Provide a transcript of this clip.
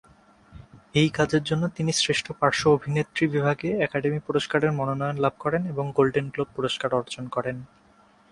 এই কাজের জন্য তিনি শ্রেষ্ঠ পার্শ্ব অভিনেত্রী বিভাগে একাডেমি পুরস্কারের মনোনয়ন লাভ করেন এবং গোল্ডেন গ্লোব পুরস্কার অর্জন করেন।